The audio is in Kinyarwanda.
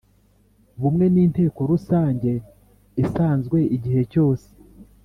Bumwe n inteko rusange isanzwe igihe cyose